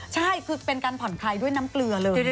ใช่คือเป็นการผ่อนคลายด้วยน้ำเกลือเลย